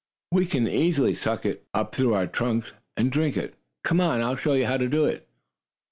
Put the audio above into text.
We can easily suck it up through our trunks and drink it. Come on, I'll show you how to do it."